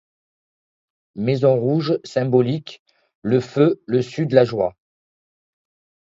Maison Rouge Symbolique : le feu, le sud, la joie.